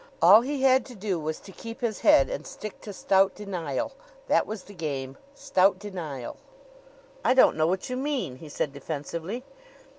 All he had to do was to keep his head and stick to stout denial. That was the game stout denial. "I don't know what you mean," he said defensively.